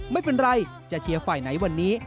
ไม่เป็นไรจะเชียร์ฝ่ายไหนวันนี้